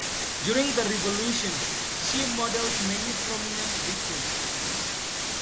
During the Revolution, she modelled many prominent victims.